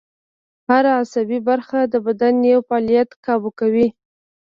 هر عصبي برخه د بدن یو فعالیت کابو کوي